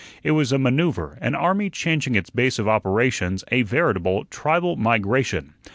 It was a manoeuvre, an army changing its base of operations, a veritable tribal migration.